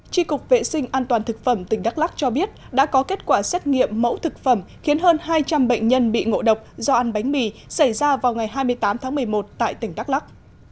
tri cục vệ sinh an toàn thực phẩm tỉnh đắk lắc cho biết đã có kết quả xét nghiệm mẫu thực phẩm khiến hơn hai trăm linh bệnh nhân bị ngộ độc do ăn bánh mì xảy ra vào ngày hai mươi tám tháng một mươi một tại tỉnh đắk lắc